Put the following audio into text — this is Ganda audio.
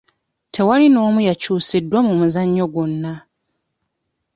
Tewali n'omu yakyusiddwa mu muzannyo gwonna.